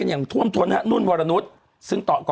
มันก็อยากพอมีหวังนะเถอะ